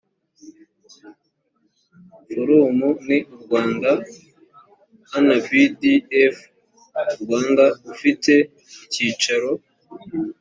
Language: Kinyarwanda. forum in rwanda nbdf rwanda ufite icyicaro